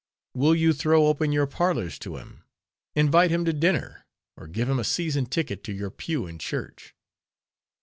Will you throw open your parlors to him; invite him to dinner? or give him a season ticket to your pew in church?